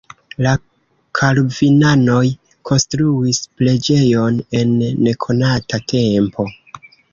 La kalvinanoj konstruis preĝejon en nekonata tempo.